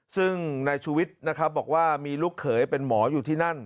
ซึ่งนายชูวิทย์นะครับบอกว่ามีลูกเขยเป็นหมออยู่ที่นั่น